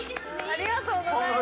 ◆ありがとうございます。